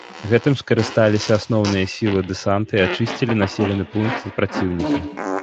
Гэтым скарысталіся асноўныя сілы дэсанта і ачысцілі населены пункт ад праціўніка.